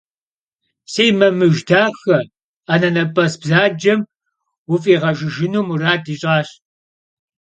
Si mamıj daxe, anenep'es bzacem vuf'iğejjıjjınu murad yiş'aş.